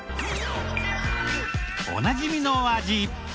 おなじみの味